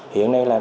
hiện nay là